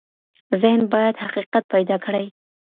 ذهن بايد حقيقت پيدا کړي.